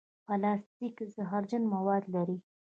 پلاستيک زهرجن مواد لري.